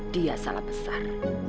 dia salah besar